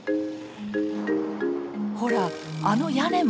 ほらあの屋根も。